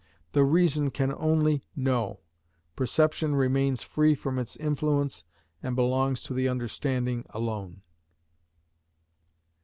The reason can only know; perception remains free from its influence and belongs to the understanding alone.